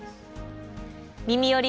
「みみより！